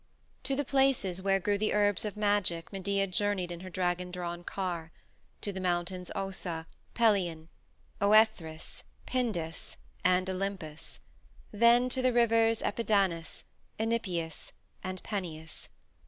To the places where grew the herbs of magic Medea journeyed in her dragon drawn car to the Mountains Ossa, Pelion, Oethrys, Pindus, and Olympus; then to the rivers Apidanus, Enipeus, and Peneus.